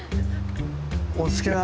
お好きな。